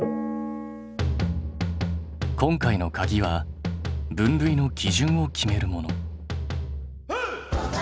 今回のかぎは分類の基準を決めるもの。